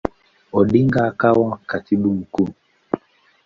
Odinga akawa Katibu Mkuu.